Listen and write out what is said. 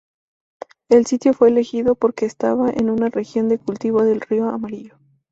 El sitio fue elegido porque estaba en una región de cultivo del río Amarillo.